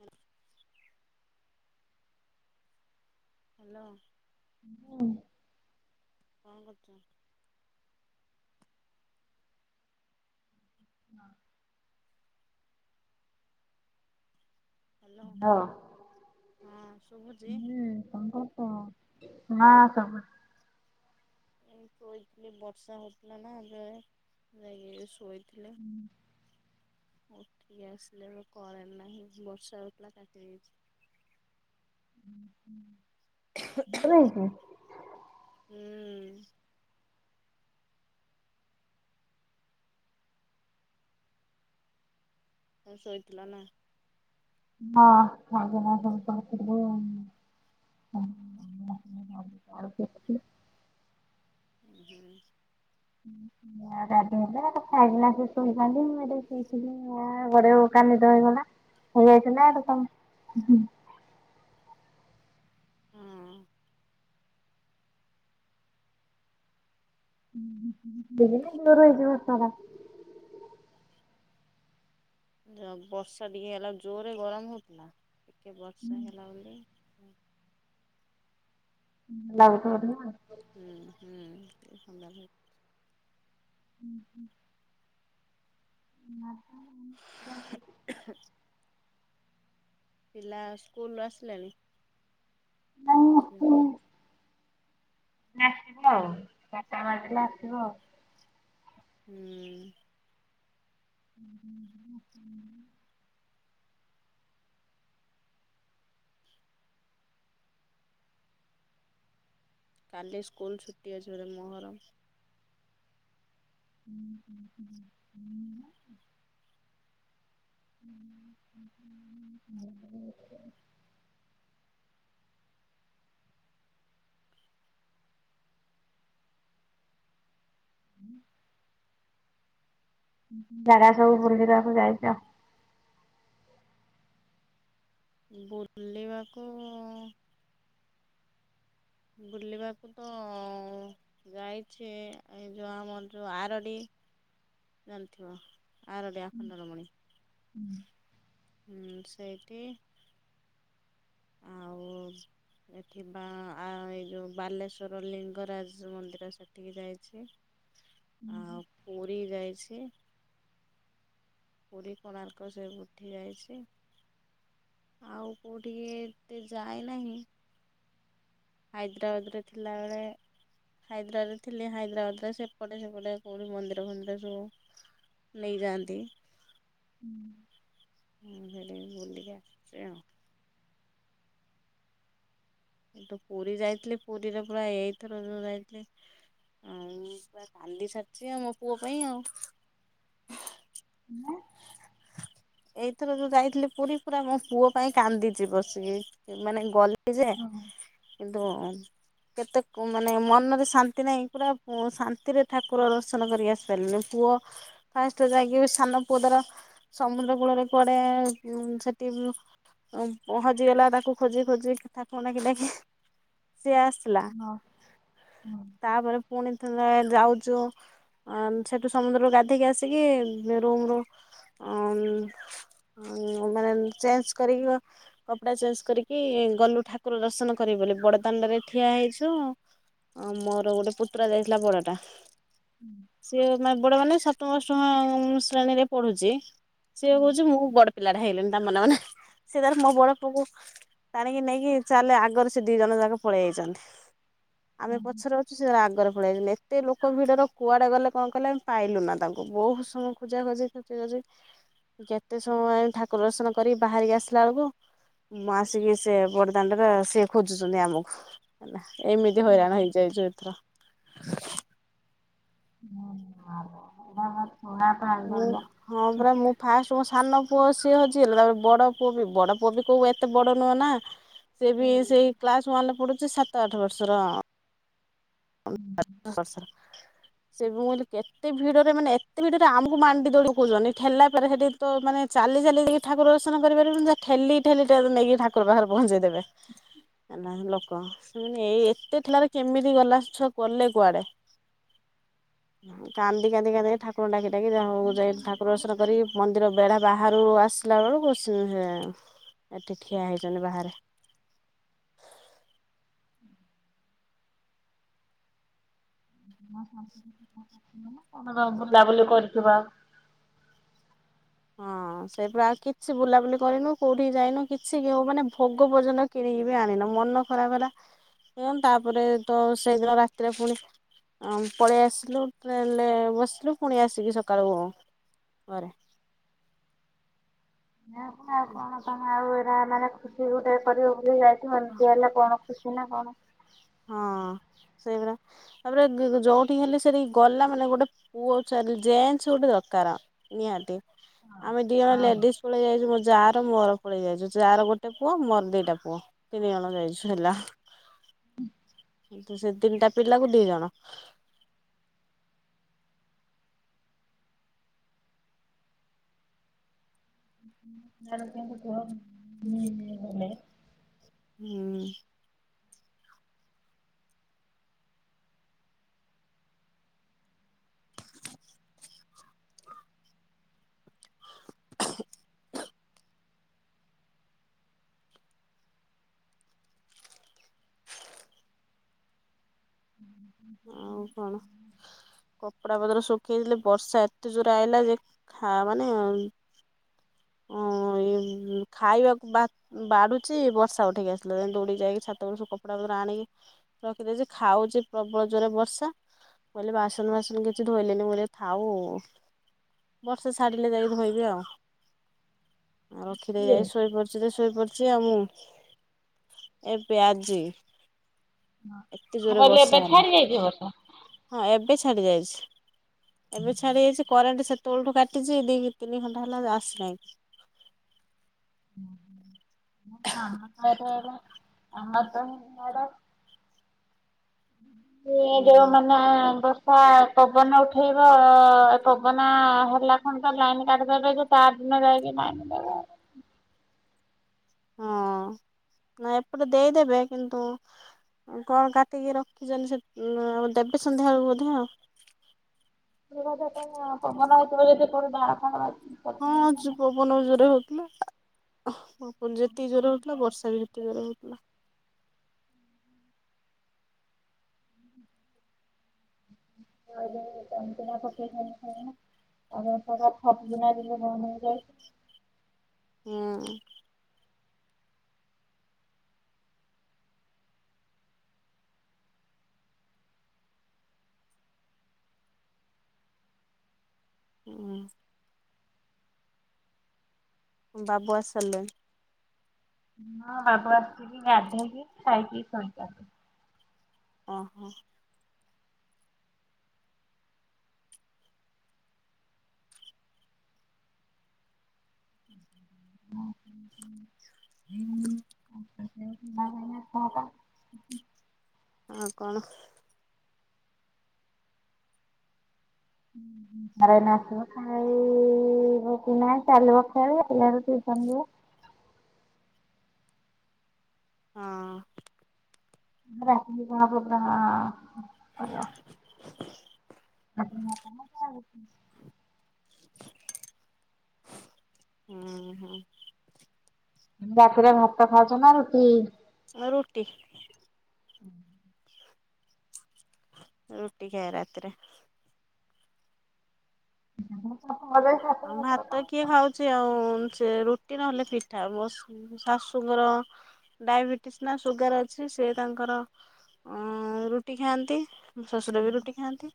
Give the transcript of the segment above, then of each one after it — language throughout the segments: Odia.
ହୁଁ ହାଲୋ। ହାଲୋ। କଣ କରୁଚ? ହଁ। ହ୍ୟାଲୋ ହଁ। ହଁ ଶୁଭୁଛି ହୁଁ ଙ୍କ କରୁଚ? ଏଇନ ଶୋଇଥିଲେ ବର୍ଷା ହଉଥିଲା ନା ଯେ ଯାଇକି ଶୋଇଥିଲେ। ଉଠିକ ଆସିଲେ ଏବେ କରେଣ୍ଟ ନାହିଁ ବର୍ଷା ହଉଥିଲା କାଟି ଦେଇଚି। [unintelligible] ହୁଁ। ତମେ ଶୋଇଥିଲ ନା? ହଁ [inaudible] [unintelligible] ଉଁ ହୁଁ। ମା ଗାଧେଇଲା ଖାଇଲା ସେ ଶୋଇଚନ୍ତି ମୁଁ ଏଠେ ଶୋଇଥିଲି। ମା ଗଡ଼େଇ ହଉ ହଉ କା ନିଦ ହେଇଗଲା ହଁ ହେଇଯାଇଥିଲା କି ତମ୍ [unintelligible] ଯ ବର୍ଷା ଟିକେ ହେଲା ଜୋରେ ଗରମ ହଉଥିଲା ଟିକେ ବର୍ଷା ହେଲା ବୋଲି ଲାଇନ ତ କଟିଗଲା। ହୁଁ ହୁଁ ଟିକେ ଥଣ୍ଡା ଧରି ହୁଁ ହୁଁ। ନା ତ [unintelligible] ପିଲା ସ୍କୁଲରୁ ଆସିଲେଣି? ନାଇଁ ଆସିଲା ଏଇନେ ଆସିବ ଆଉ ଚାରଟା ବାଜିଲା ଆସିବ ଆଉ। ହୁଁ। ହୁଁ ହୁଁ ହୁଁ ହୁଁ। କାଲି ସ୍କୁଲ ଛୁଟି ଅଛି ବୋଧେ ମୋହରମ୍ [inaudible] ହ ହୁଁ। କଉ କଉ ଜାଗା ସବୁ ବୁଲିିବାକୁ ଯାଇଚ? ବୁଲିବାକୁ ଉଁ ଉଁ ବୁଲିବାକୁ ତ ଅଁ ଅଁ ଯାଇଛି ଏଇ ଯୋଉ ଆମର ଯୋଉ ଆରଡ଼ି ଜାଣିଥିବ? ଆରଡ଼ି ଆଖଣ୍ଡଳମଣି। ହୁଁ। ହୁଁ ସେଇଠି ହ ଏଠୀ ବା ଏଇ ଯେଉ ବାଲେଶ୍ଵର ଲିଙ୍ଗରାଜ ମନ୍ଦିର ସେଠିକି ଯାଇଛି। ହ ହୁଁ ହୁଁ। ପୁରୀ ଯାଇଛି। ପୁରୀ କୋଣାର୍କ ସେ ଉଠି ଯାଇଛି। ଆଉ କୋଉଠିକେ ଏତେ ଯାଏ ନାହିଁ। ହାଇଦ୍ରାବାଦରେ ଥିଲାବେଳେ ହାଇଦ୍ରାବାଦରେ ଥିଲେ ହାଇଦ୍ରାବାଦରେ ସେପଟେ ସେପଟେ କୋଉଠି ମନ୍ଦିର ଫନ୍ଦିର ସବୁ ନେଇଯାଆନ୍ତି। ହୁଁ। [inaudible] ତୁ ପୁରୀ ଯାଇଥିଲି ପୁରୀରେ ପୁରା ଏଇଥର ଯାଇଥିଲେ। ଆଉ ପୁରା କାନ୍ଦି ସାରଛି ଆଉ ମୋ ପୁଅ ପାଇଁ ଆଉ [inaudible] ଏଇଥର ଯୋଉ ଯାଇଥିଲି ପୁରୀ ପୁରା ମୋ ପୁଅ ପାଇଁ କାନ୍ଦିଛି ବସିକି। ମାନେ ଗଲି ଯେ ତ କେତେ ମାନେ ମନରେ ଶାନ୍ତି ନାହିଁ ପୁରା ଶାନ୍ତିରେ ଠାକୁର ଦର୍ଶନ କରିକି ଆସିପାରିଲିନି। ପୁଅ ଫାଷ୍ଟ ଯାଇକି ସାନ ପୁଅଟାର ସମୁଦ୍ର କୂଳରେ କୁଆଡେ ସେଠି ପହଁଞ୍ଚିଗଲା ତାକୁ ଖୋଜି ଖୋଜି କଥା ପଣକିଲ କି ସିଏ ଆସିଲା ତାପରେ ପୁଣି ଥରେ ଯାଉଛୁ। ଅ ସେଠୁ ସମୁଦ୍ରରୁ ଗାଧେଇକି ଆସିକି ରୁମରୁ ଅ ମାନେ ଚେଞ୍ଜ କରି କପଡା ଚେଞ୍ଜ କରିକି ଗଲୁ ଠାକୁ ଠାକୁର ଦର୍ଶନ କରିବ ବୋଲି ବଡ ଦାଣ୍ଡରେ ଠିଆ ହେଇଛୁ। ହଁ ମୋର ଗୋଟେ ପୁତୁରା ଯାଇଥିଲା ବଡଟା। ହୁଁ। ସିଏ ବଡ ମାନେ ସତମ ଅଷ୍ଟମ ଶ୍ରେଣୀରେ ପଢୁଛି ସିଏ କହୁଛି ମୁଁ ବଡ ପିଲାଟା ହେଇଲେଣି ତା ମନେ ମନେ ସେ ତାର ମୋ ବଡ ପୁଅକୁ ଟାଣିକି ନେଇକି ଚାଲେ ଆଗରେ ସେ ଦି ଜଣ ଯାକ ପଳେଇ ଆଇଛନ୍ତି ଆମେ ପଛରେ ଅ ସେ ଆଗରେ ପଳେଇଗଲେ। ଏତେ ଲୋକ ଭିଡ଼ର କୁଆଡ଼େ ଗଲେ କଣ କଲେ ଆମେ ପାଇଲୁ ନା ତାଙ୍କୁ ବହୁତ ସମୟ ଖୋଜା ଖୋଜି ଆମ ସେଠ କେତେ ସମୟ ଆ ଠାକୁର ଦର୍ଶନ କରିକି ବାହାରିକି ଆସିଲା ବେଳକୁ ମୁଁ ଆସିକି ସେ ବ ଦାଣ୍ଡରେ ସେଏ ଖୋଜୁଛନ୍ତି ଆମକୁ ଏମିତି ହଇରାଣ ହେଇଯାଇଛୁ ଏଥର। ହୁଁ ହଁ ହଁ। ମୁଁ ହଁ ପରା ମୁଁ ଫାଷ୍ଟ୍ ମୋ ସାନ ପୁଅ ସିଏ ହଜି ଗଲା ତା ବଡ ପୁଅ ବି ବଡ ପୁଅ ବି କୋଉ ଏତେ ବଡ ନୁହେଁ ନା। ସେ ବି ସେଇ କ୍ଲାସ୍ ୱାନ୍ ରେ ପଢୁଛି ସାତ ଆଠ ବର୍ଷର। [unintelligible] ସେ ମୁ କହିଲି କେତେ ଭିଡରେ ମାନେ ଏତେ ଭିଡରେ ଆମକୁ ମାଣ୍ଡି ଦଳି ପକାଉଚନ୍ତି ଠେଲା ପରେ ସେଠି ତ ମାନେ ଚାଲି ଚାଲି ଯାଇକି ଠାକୁର ଦର୍ଶନ କରିପାରିବୁନି ଠେଲି ଠେଲିେ ନେଇକି ଠାକୁର ପାଖରେ ପହଞ୍ଚେଇଦେବେ। ନାହିଁ ଲୋକ ସେମାନେ ଏଇ ଏତେ ଠେଲାରେ କେମିତି ଗଲା ସିଏ। ଛୁଆ ଗଲେ କୁଆଡେ କାନ୍ଦି କାନ୍ଦି କାନ୍ଦି। ଠାକୁରଙ୍କୁ ଡାକି ଡାକି ଯାହା ହଉ କେମିତି ଠାକୁର କୋଉଠି ଦର୍ସନ ପାଇବ? କରିକି ମ ମନ୍ଦିର ବେଢା ବାହାରୁ ଆସିଲା ବେଳକୁ ସେ ଏଠି ଠିଆ ହେଇଚନ୍ତି ବାହାରେ। [inaudible] ଆମେ କଣ ବୁଲାବୁଲି କରିଥିବା। ହଁ ସେଇଠୁ ଆଉ କିଛି ବୁଲାବୁଲି କରିନୁ କୋଉଠି ଯାଇନୁ କିଛି [unintelligible] ମାନେ ଭୋଗ ପର୍ଯ୍ୟନ୍ତ କିଣିକି ବି ଆଣିନୁ ମନ ଖରାପ ହେଲା ତାପରେ ତ ସେଇଦିନ ରାତିରେ ଫୁଣି ଆ ପଳେଇ ଆସିଲୁ ଟ୍ରେନ୍ ରେ ବସିଲୁ ଫୁଣି ଆସିକି ସକାଳୁ ଘରେ ନା ପା ଆଉ କଣ ତମେ ଆଉ ଏରା ମାନେ ଖୁସି ଗୋଟେ କରିବ ବୋଲି ଯାଇଥିବ ଏମିତି ହେଲେ କଣ ଖୁସି ନା କଣ। ହଁ ସେଇ ପରା। ତାପରେ [unintelligible] ଯୋଉଠିକି ହେଲେ ସାରି ଗଲା ମାନେ ଗୋଟେ ପୁଅ ଚାଲି ଜେନ୍ସ ଗୋଟେ ଦରକାର। ନିହାତି ଆମେ ଦି ଜଣ ହଁ ଲେଡିଜ ପଳେଇ ଆଇଚୁ ମୋ ଯା ର ମୋର ପଳେଇ ଆଇଚୁ ଯା ର ଗୋଟେ ପୁଅ ମୋର ଦିଟା ପୁଅ। ତିନି ଜଣ ଯାଇଛୁ ହେଲା। ହୁଁ। [unintelligible] [unintelligible] ସେ ତିନିଟା ପିଲାକୁ ଦି ଜଣ। [inaudible] ତାର କିନ୍ତୁ ପୁଅ ମି ମି ହେଲେ ହୁଁ। [unintelligible] ଆଉ କଣ କପଡା ପତର ଶୁଖେଇଥିଲି ବର୍ଷା ଏତେ ଜୋରେ ଆଇଲା ଯେ ଖା ମାନେ ଉଁ [unintelligible] ଖାଇବାକୁ ବା ବାଢୁଚି ବର୍ଷା ଉଠେଇକି ଆସିଲା [unintelligible] ଦୌଡିକି ଯାଇକି ଛାତ‌ ଓପୁରୁ ସବୁ କପଡା ପତର ଆଣିକି ରଖିଦେଇଚି ଖାଉଚି ପ୍ରବଳ ଜୋରେ ବର୍ଷା କହିଲି ବାସନ ଫାସନ କିଛି ଧୋଇଲିନି ମୁଁ କହିଲି ଏରା ଥାଉ। ବର୍ଷା ଛାଡିଲେ ଯାଇକି ଧୋଇବି ଆଉ, ଆଉ ରଖିଦେଇ ମୁଁ ଆଇ ଶୋଇପ ରାତିରେ ଶୋଇପଡିଚି ଆଉ ମୁଁ ଏବେ ଆଜି। ଏତେ ମୁଁ ଜୋରେ କହିଲି ବର୍ଷା ଏବେ ହେଲା ଛାଡି ଯାଇଚି ବର୍ଷା। ହଁ ଏବେ ଛାଡି ଯାଇଚି ଏବେ ଛାଡି ଯାଇଚି କରେଣ୍ଟ୍ କେତେବେଳୁଠୁ କାଟିଚି ଦି ତିନି ଘଣ୍ଟା ହେଲା ଆସିନାଇଁ। ହଁ ହଁ ଆମର ତ [unintelligible] ଇଏ ଯୋଉ ହୁଁ ମାନେ ଆମ୍ବ ପା ପବନ ଉଠେଇବ ପବନ ହେଲା କଣ ତ ଲାଇନ୍ କାଟି ଦେବେ ଯେ ତାରଦିନ ଯାଇକି ନାଇନ୍ ଦେବେ। ହଁ ନା ଏପଟେ ଦେଇଦେବେ କିନ୍ତୁ କଣ କାଟିକି ରଖିଚନ୍ତି ସେ [unintelligible] ଦେବେ ସନ୍ଧ୍ୟାବେଳକୁ ବୋଧେ ଆଉ। ସେ [unintelligible] କଣ ପବନ ହେଉଥିବ ଯଦି କୋଉଠି ଡାଳ ଫାଳ ବା ହଁ ଯୁ ପବନ ଜୋରେ ହଉଥିଲା। ପୁଣି ଯେତିକି ଜୋରେ ହଉଥିଲା ବର୍ଷା ବି ଯେତେ ଜୋରେ ହଉଥିଲା। [inaudible] [unintelligible] ଅନେକ ଥର ଥବ୍ କିନା [unintelligible] ବନ୍ଦ ହେଇଯାଇଚି। ହୁଁ। ହୁଁ। ବାବୁ ଆସି ସାରିଲେଣି। ହଁ ବାବୁ ଆସିକି ଗାଧେଇକି ଖାଇକି ଶୋଇଲା। ଓ ହୋ। ହଁ ହଁ ହଁ। ହୁଁ। ଆଟ [unintelligible] ଆଉ କଣ। ଘରେ ନାଚିବ ଖାଇବ କି ନାଇଁ ଚାଲିବ ଖେଳ ଠ [unintelligible] କୁ ହଁ। ରାଟି କି କଣ ହବପୁରା ଆ କର ଆ କ [unintelligible] ହୁଁ ହୁଁ। ରାତିରେ ଭାତ ଖାଉଛ ନା ରୁଟି? ରୁଟି। ରୁଟି ଖାଏ ରାତିରେ। ତା [unintelligible] ଆ ଭାତ କିଏ ଖାଉଛି ଆଉ ସେ ରୁଟି ନହେଲେ ପିଠା ବସ ଶାଶୁଙ୍କର ଡାଇବେଟିସ ନା ସୁଗାର ଅଛି ସେ ତାଙ୍କର ଅଁ ରୁଟି ଖାଆନ୍ତି। ଶଶୁର ବି ରୁଟି ଖାଆନ୍ତି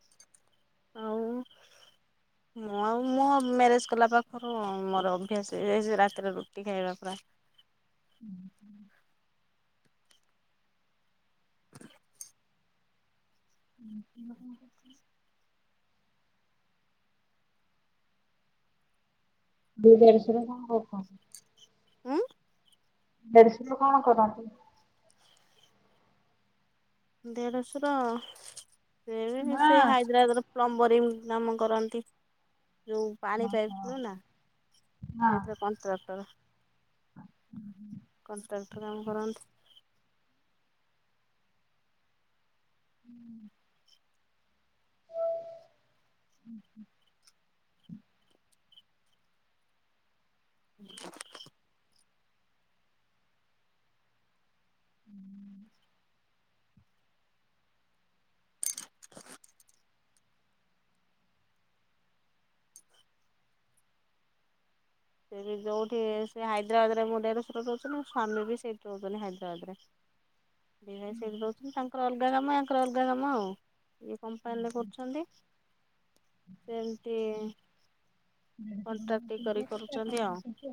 ଆଉ ମୁଁ ଆଉ ମୋ ମ୍ୟାରେଜ କଲା ପାଖରୁ ମୋର ଅଭ୍ୟାସ ହେଇଯାଇଛି ରାତିରେ ରୁଟି ଖାଇବା ପରା। ହୁଁ ହ [unintelligible] ହୁଁ ହ। ଦେଡଶୁର କଣ କରୁଛନ୍ତି। ଉଁ। ଦେଡସୁର କଣ କରନ୍ତି? ଦେଢସୁର ସେ ବି ମା ସେଇ ହାଇଦ୍ରାବାଦ ର ପ୍ଲମ୍ବରିଂ ନାମ କରନ୍ତି ଜଉ ପାଣି ପାଇପି ନୁହଁନା ସେଇଥିରେ କଣ୍ଟ୍ରାକ୍ଟର ହୁଁ ହୁଁ। କଣ୍ଟ୍ରାକ୍ଟର କାମ କରନ୍ତି? ହୁଁ। ହ [unintelligible] ହୁଁ [unintelligible] ହୁଁ [unintelligible] ସେ ବି ଯଉଠି ସେ ହାଇଦ୍ରାବାଦରେ ମୋ ଦେଡସୁର ରହୁଛନ୍ତି ମୋ ସ୍ଵାମୀ ବି ସେଇଠି ରହୁଛନ୍ତି ହାଇଦ୍ରାବଦ ରେ। ଦି ଭାଇ ସେଇଠି ରହୁଛନ୍ତି ତାଙ୍କର ଅଲଗା କାମ ୟାଙ୍କର ଅଲଗା କାମ ଆଉ। ଇଏ କମ୍ପାନୀରେ କରୁଛନ୍ତି। ଏମତି ହଁ। କଣ୍ଟ୍ରାକ୍ଟି କରି କରୁଛନ୍ତି ଆଉ। ହ [unintelligible]